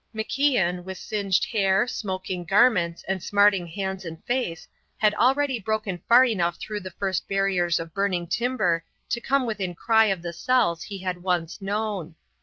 MacIan, with singed hair, smoking garments, and smarting hands and face, had already broken far enough through the first barriers of burning timber to come within cry of the cells he had once known.